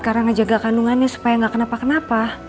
karena ngejaga kandungannya supaya gak kenapa kenapa